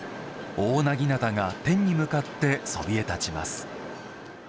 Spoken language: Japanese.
大長刀が天に向かってそびえ立ちます。